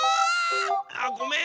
あごめん。